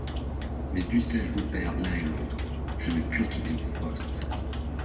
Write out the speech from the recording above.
Mais dussé-je vous perdre l'un et l'autre, je ne puis quitter mon poste.